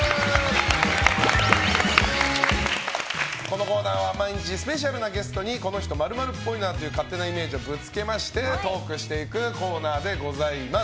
このコーナーは毎日スペシャルなゲストにこの日と○○っぽいなという勝手なイメージをぶつけましてトークしていくコーナーでございます。